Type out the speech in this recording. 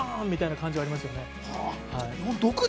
みたいな感じがありますよね。